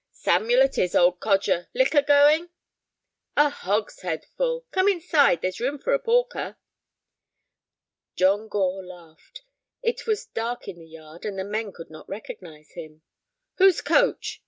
"Samuel it is, old codger. Liquor going?" "A hogshead full. Come inside; there's room for a porker." John Gore laughed. It was dark in the yard, and the men could not recognize him. "Whose coach?"